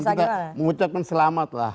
bahkan kita mengucapkan selamat lah